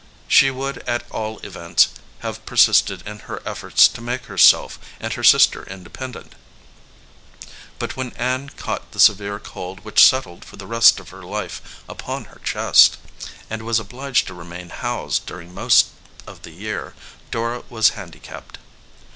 She would at all events have persisted in her efforts to make herself and her sister independent. But when Ann caught the severe cold which settled for the rest of her life upon her chest, and was obliged to remain housed during most of the year, Dora was handicapped.